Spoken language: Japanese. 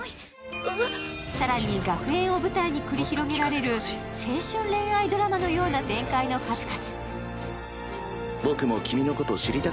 更に学園を舞台に繰り広げられる青春恋愛ドラマのような展開の数々。